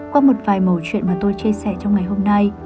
qua một vài mẫu chuyện mà tôi chia sẻ trong ngày hôm nay